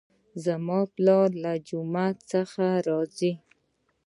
زما پلار له جومات څخه راځي